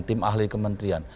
tim ahli kementerian